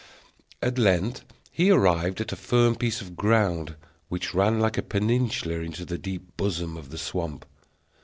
At length he arrived at a firm piece of ground, which ran like a peninsula into the deep bosom of the swamp.